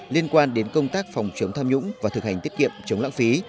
liên quan đến công tác phòng chống tham nhũng và thực hành tiết kiệm chống lãng phí